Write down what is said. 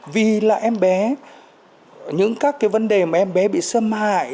vì là em bé những các cái vấn đề mà em bé bị xâm hại